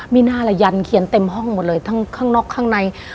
มีหน้าละยันเขียนเต็มห้องหมดเลยทั้งข้างนอกข้างใน